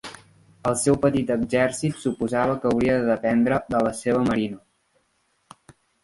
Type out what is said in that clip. El seu petit exèrcit suposava que hauria de dependre de la seva marina.